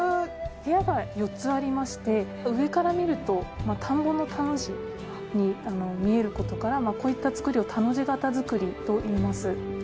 部屋が４つありまして上から見ると田んぼの「田」の字に見える事からこういった造りを田の字型造りといいます。